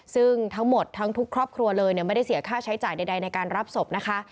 ซึ่งทั้งหมดทั้งทุกครอบครัวเลยไม่ได้เสียค่าใช้จ่ายใดในการรับศพนะคะ